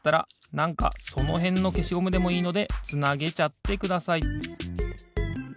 なんかそのへんのけしゴムでもいいのでつなげちゃってください。